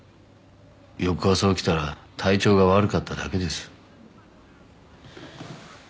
翌朝起きたら体調が悪かっただけです